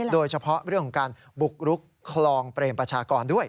โดยเฉพาะเรื่องของการบุกรุกคลองเปรมประชากรด้วย